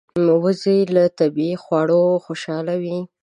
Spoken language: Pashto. وزې له طبیعي خواړو خوشاله وي